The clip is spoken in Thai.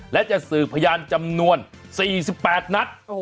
และจะสืบพยานจำนวน๔๘นัด